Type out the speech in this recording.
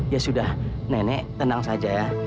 ya sudah nenek tenang saja ya